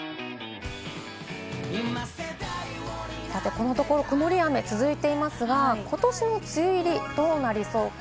このところ曇りや雨が続いていますが、今年の梅雨入り、どうなりそうか。